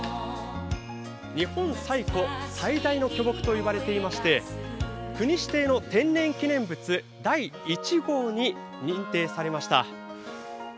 日本最古・最大の巨木といわれていまして国指定の天然記念物第１号に認定されました。